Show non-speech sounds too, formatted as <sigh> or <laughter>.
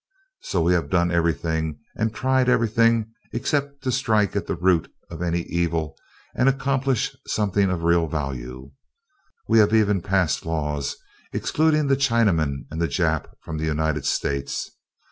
<applause> So we have done everything and tried everything, excepting to strike at the root of any evil and accomplish something of real value. We have even passed laws excluding the Chinaman and the Jap from the United States.